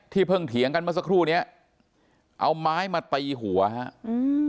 เพิ่งเถียงกันเมื่อสักครู่เนี้ยเอาไม้มาตีหัวฮะอืม